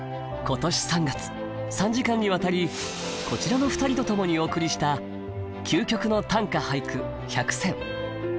今年３月３時間にわたりこちらの２人と共にお送りした「究極の短歌・俳句１００選」。